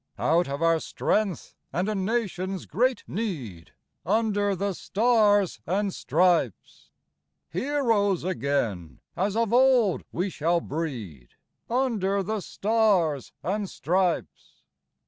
Out of our strength and a nation's great need, Under the stars and stripes, Heroes again as of old we shall breed, Under the stars and stripes.